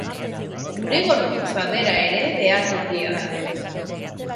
Gure gorputza bera ere behatokia da.